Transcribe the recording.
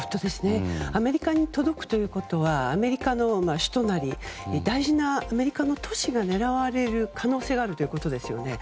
アメリカに届くということはアメリカの首都なり大事なアメリカの都市が狙われる可能性があるということですよね。